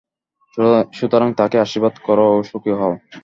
সুতরাং তাকে আশীর্বাদ কর ও সুখী হও।